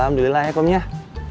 alhamdulillah ya pamiyah